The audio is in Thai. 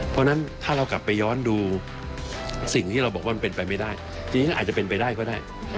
เพราะฉะนั้นถ้าเรากลับไปย้อนดูสิ่งที่เราบอกว่ามันเป็นไปไม่ได้จริงก็อาจจะเป็นไปได้ก็ได้